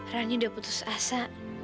rania udah putus asa